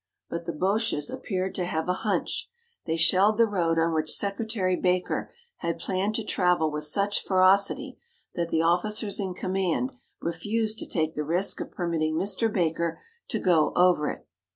But the Boches appeared to have a hunch. They shelled the road on which Secretary Baker had planned to travel with such ferocity that the officers in command refused to take the risk of permitting Mr. Baker to go over it.